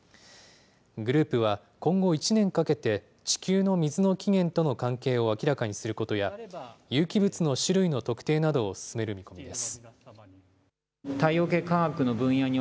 グループは今後１年かけて、地球の水の起源との関係を明らかにすることや、有機物の種類の特定などを進める見込みです。